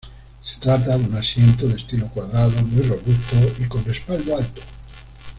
Se trata de un asiento de estilo cuadrado muy robusto y con respaldo alto.